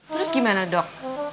terus gimana dok